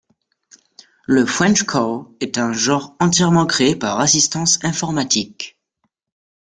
Le frenchcore est un genre entièrement créé par assistance informatique.